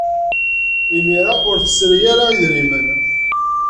Imir-a, ur tesri ara idrimen.